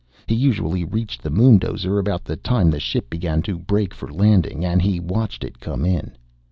He usually reached the moondozer about the time the ship began to brake for landing, and he watched it come in.